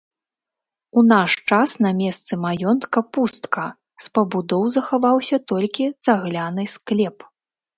У наш час на месцы маёнтка пустка, з пабудоў захаваўся толькі цагляны склеп.